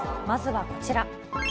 まずはこちら。